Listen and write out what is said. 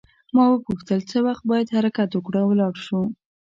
ما وپوښتل څه وخت باید حرکت وکړو او ولاړ شو.